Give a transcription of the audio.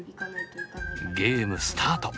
ゲームスタート！